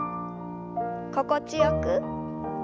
心地よく。